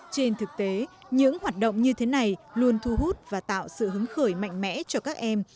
trên thực tế những hoạt động như thế này luôn thu hút và tạo sự hứng khởi mạnh mẽ cho các em